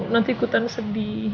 nanti ikutan sedih